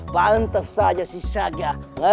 bentar saja si saga